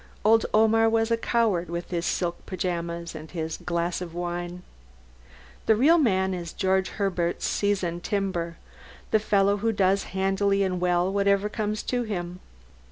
Old Omar was a coward, with his silk pajamas and his glass of wine. The real man is George Herbert's "seasoned timber" the fellow who does handily and well whatever comes to him.